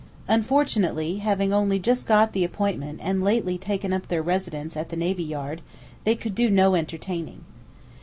Unfortunately, having only just got the appointment and lately taken up their residence at the Navy Yard, they could do no entertaining.